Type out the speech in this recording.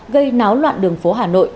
gây náo loạn đường phố hà nội